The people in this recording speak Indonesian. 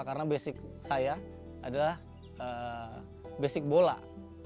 karena basic saya adalah basic bola amputasi